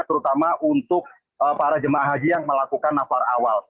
terutama untuk para jemaah haji yang melakukan nafar awal